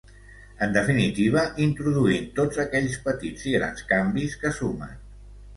En definitiva, introduint tots aquells petits i grans canvis que sumen.